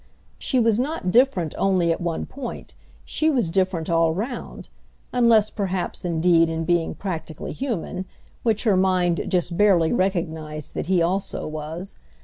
She was not different only at one point, she was different all round; unless perhaps indeed in being practically human, which her mind just barely recognised that he also was.